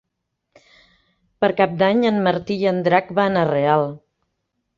Per Cap d'Any en Martí i en Drac van a Real.